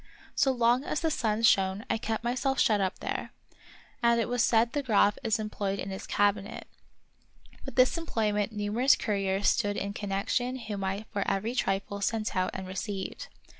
So long as the sun shone I kept my self shut up there, and it was said the Graf is employed in his cabinet. With this employment numerous couriers stood in connection whom I for every trifle sent out and received.